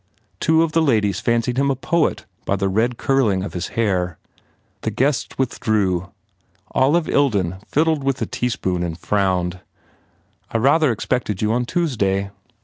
Two of the ladies fancied him a poet by the red curling of his hair. The guests with drew. Olive Ilden fiddled with a teaspoon and frowned. 30 H E PROGRESSES "I rather expected you on Tuesday."